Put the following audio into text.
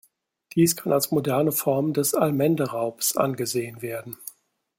Dies kann als moderne Form des "Allmende-Raubs" angesehen werden.